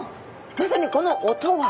まさにこの音は。